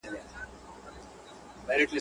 او پر خره باندي یې پیل کړل ګوزارونه.